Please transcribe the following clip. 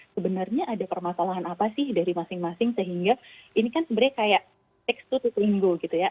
sebenarnya ada permasalahan apa sih dari masing masing sehingga ini kan sebenarnya kayak tax tongo gitu ya